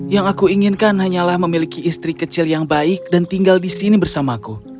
yang aku inginkan hanyalah memiliki istri kecil yang baik dan tinggal di sini bersamaku